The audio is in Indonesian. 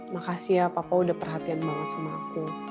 makasih ya papa udah perhatian banget sama aku